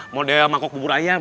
model mangkok bubur ayam